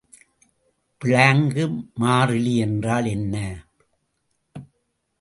பிளாங்கு மாறிலி என்றால் என்ன?